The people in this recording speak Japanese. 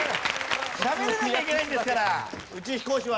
しゃべれなきゃいけないんですから宇宙飛行士は。